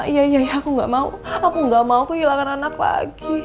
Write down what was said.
iya iya aku gak mau aku gak mau kehilangan anak lagi